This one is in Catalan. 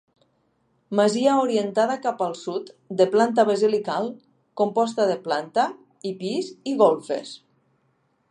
Masia orientada cap al sud de planta basilical, composta de planta, i pis i golfes.